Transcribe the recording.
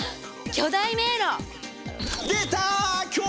巨大迷路！